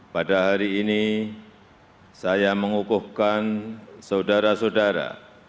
pada hari ini saya mengukuhkan saudara saudara